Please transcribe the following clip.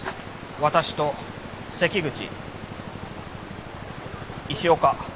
私と関口石岡